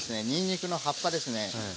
にんにくの葉っぱですね